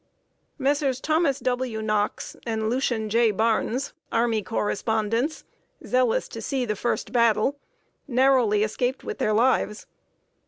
Messrs. Thomas W. Knox and Lucien J. Barnes, army correspondents, zealous to see the first battle, narrowly escaped with their lives.